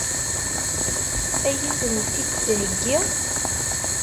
Ad iyi-tent-id-theggi?